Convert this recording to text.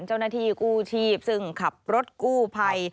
เจ้าหน้าที่กู้ชีพซึ่งขับรถกู้ภัย